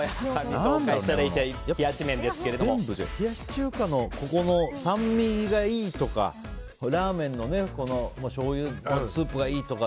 冷やし中華の酸味がいいとかラーメンのしょうゆのスープがいいとか。